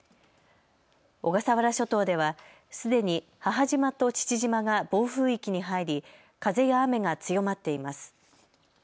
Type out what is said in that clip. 小笠原諸島ではすでに母島と父島が暴風域に入り風や雨が強まっています。